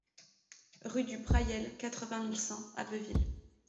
Rue du Prayel, quatre-vingt mille cent Abbeville